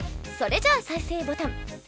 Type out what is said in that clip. それじゃあ再生ボタン。